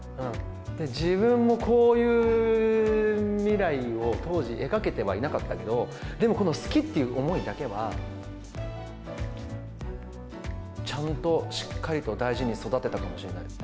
自分もこういう未来を当時、描けてはいなかったけど、でもこの好きっていう思いだけは、ちゃんとしっかりと大事に育てたかもしれないです。